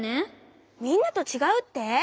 みんなとちがうって！？